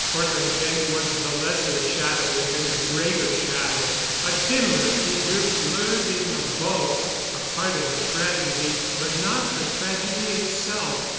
Cortland Bent was the lesser shadow within the greater shadow, a dimmer figure blurred in the bulk, a part of the tragedy, but not the tragedy itself.